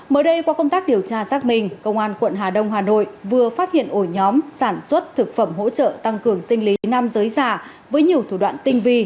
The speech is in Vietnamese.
mới đây qua công tác điều tra xác minh công an quận hà đông hà nội vừa phát hiện ổ nhóm sản xuất thực phẩm hỗ trợ tăng cường sinh lý nam giới già với nhiều thủ đoạn tinh vi